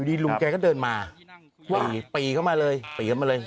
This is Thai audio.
พลิกต๊อกเต็มเสนอหมดเลยพลิกต๊อกเต็มเสนอหมดเลย